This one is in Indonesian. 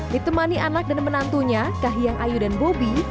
ditemani anak dan menantunya kahiyang ayu dan bobi